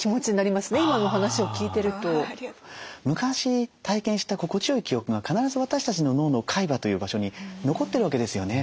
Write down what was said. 昔体験した心地よい記憶が必ず私たちの脳の海馬という場所に残ってるわけですよね。